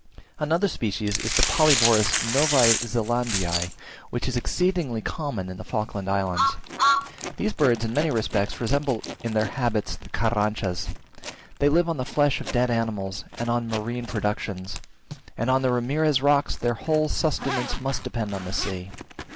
Another species is the Polyborus Novae Zelandiae, which is exceedingly common in the Falkland Islands. These birds in many respects resemble in their habits the Carranchas. They live on the flesh of dead animals and on marine productions; and on the Ramirez rocks their whole sustenance must depend on the sea.